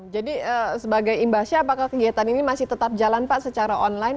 jadi sebagai imbasya apakah kegiatan ini masih tetap jalan pak secara online